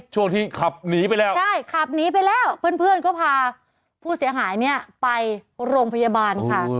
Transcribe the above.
ช่วงที่ขับหนีไปแล้วใช่ขับหนีไปแล้วเพื่อนก็พาผู้เสียหายเนี่ยไปโรงพยาบาลค่ะ